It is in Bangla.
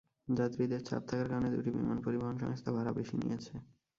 যাত্রীদের চাপ থাকার কারণে দুটি বিমান পরিবহন সংস্থা ভাড়া বেশি নিয়েছে।